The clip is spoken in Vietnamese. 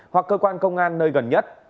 hoặc cơ quan công an nơi gần nhất